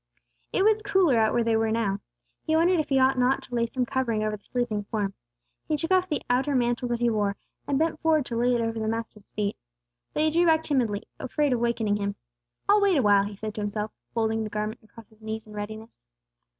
It was cooler out where they were now. He wondered if he ought not to lay some covering over the sleeping form. He took off the outer mantle that he wore, and bent forward to lay it over the Master's feet. But he drew back timidly, afraid of wakening Him. "I'll wait awhile," he said to himself, folding the garment across his knees in readiness.